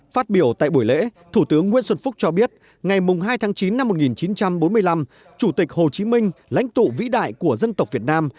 phát biểu tại buổi lễ thủ tướng nguyễn xuân phúc cho biết ngày hai tháng chín năm một nghìn chín trăm bốn mươi năm chủ tịch hồ chí minh lãnh tụ vĩ đại của dân tộc việt nam